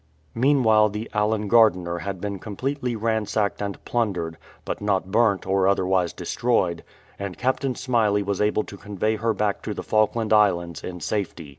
Meanwhile the Allen Gardiner had been completely ransacked and plundered, but not burnt or otherwise destroyed, and Captain Smyley was able to convey her back to the Falkland Islands in safety.